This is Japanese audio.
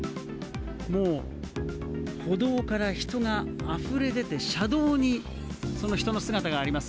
もう歩道から人があふれ出て、車道にその人の姿があります。